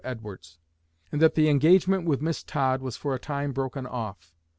Edwards; and that the engagement with Miss Todd was for a time broken off.